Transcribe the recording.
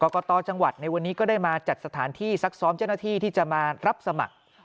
กตจังหวัดในวันนี้ก็ได้มาจัดสถานที่ซักซ้อมเจ้าหน้าที่ที่จะมารับสมัคร